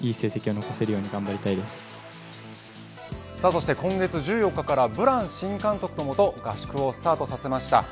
そして今月１４日からブラン新監督の下合宿をスタートさせました